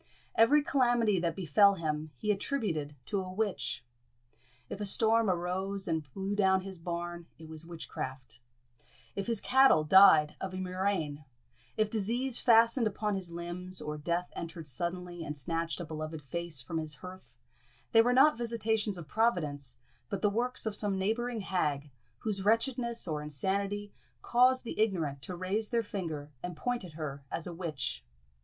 Every calamity that befell him he attributed to a witch. If a storm arose and blew down his barn, it was witchcraft; if his cattle died of a murrain if disease fastened upon his limbs, or death entered suddenly and snatched a beloved face from his hearth they were not visitations of Providence, but the works of some neighbouring hag, whose wretchedness or insanity caused the ignorant to raise their finger and point at her as a witch.